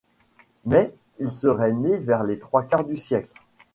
Mais, il serait né vers les trois quarts du siècle.